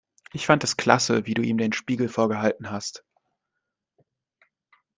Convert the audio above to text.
Ich fand es klasse, wie du ihm den Spiegel vorgehalten hast.